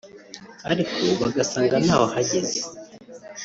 ariko bagasanga ntawahageze